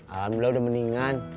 alhamdulillah udah mendingan